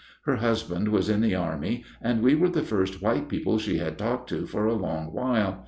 Her husband was in the army, and we were the first white people she had talked to for a long while.